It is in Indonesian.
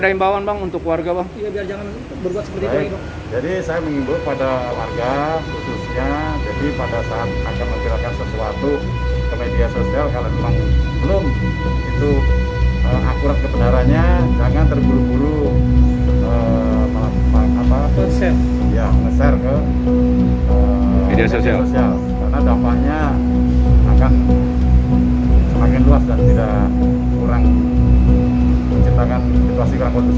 ibu ingat air usok